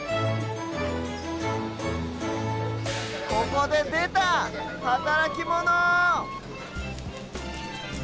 ここででたはたらきモノ！